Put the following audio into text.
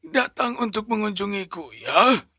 datang untuk mengunjungiku ya